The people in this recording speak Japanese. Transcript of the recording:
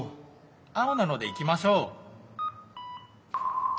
青なので行きましょう。